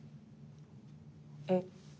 えっ。